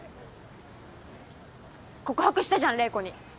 告白したじゃん怜子に！